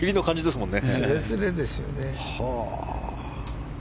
すれすれですよね。